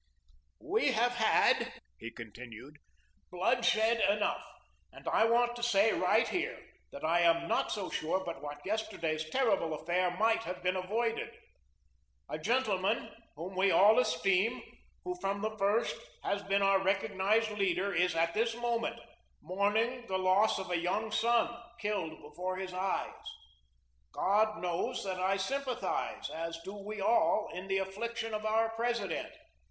"We have had," he continued, "bloodshed enough, and I want to say right here that I am not so sure but what yesterday's terrible affair might have been avoided. A gentleman whom we all esteem, who from the first has been our recognised leader, is, at this moment, mourning the loss of a young son, killed before his eyes. God knows that I sympathise, as do we all, in the affliction of our President.